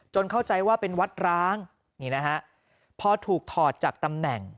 เข้าใจว่าเป็นวัดร้างนี่นะฮะพอถูกถอดจากตำแหน่ง